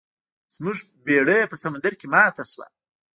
زموږ بیړۍ په سمندر کې ماته شوه.